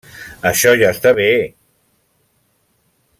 Això ja està bé!